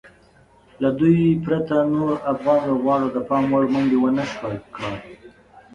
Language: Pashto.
له دوی پرته نورو افغان لوبغاړو د پام وړ منډې ونشوای کړای.